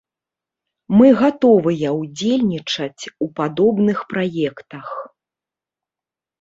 Мы гатовыя ўдзельнічаць у падобных праектах.